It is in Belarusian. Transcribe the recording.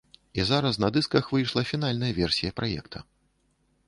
І зараз на дысках выйшла фінальная версія праекта.